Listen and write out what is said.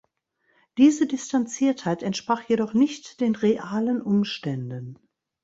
Diese Distanziertheit entsprach jedoch nicht den realen Umständen.